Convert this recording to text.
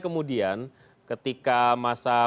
kemudian ketika masa